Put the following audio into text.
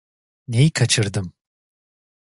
Neyi kaçırdım?